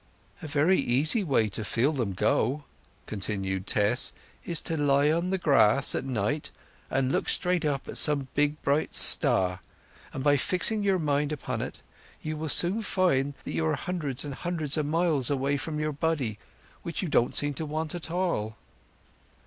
"A very easy way to feel 'em go," continued Tess, "is to lie on the grass at night and look straight up at some big bright star; and, by fixing your mind upon it, you will soon find that you are hundreds and hundreds o' miles away from your body, which you don't seem to want at all."